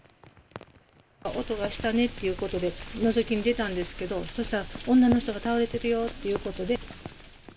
音がしたねっていうことで、のぞきに出たんですけど、そしたら、女の人が倒れてるよっていうことで。